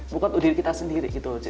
bukan untuk diri kita sendiri gitu loh